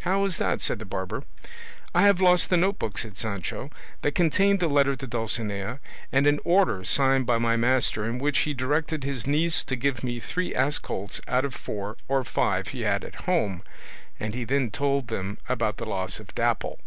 "How is that?" said the barber. "I have lost the note book," said Sancho, "that contained the letter to Dulcinea, and an order signed by my master in which he directed his niece to give me three ass colts out of four or five he had at home;" and he then told them about the loss of Dapple.